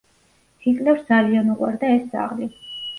ჰიტლერს ძალიან უყვარდა ეს ძაღლი.